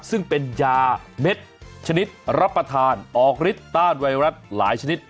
ซึ่งเป็นยาเม็ดชนิดรับประทานออกฤทธิตต้านไวรัสหลายชนิด